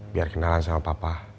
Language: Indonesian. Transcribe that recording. biar kenalan sama papa